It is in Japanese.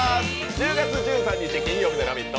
１０月１３日金曜日の「ラヴィット！」